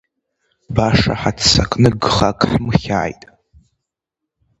Баша ҳаццакны гхак ҳмыхьааит…